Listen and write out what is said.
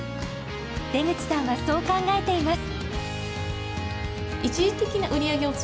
出口さんはそう考えています。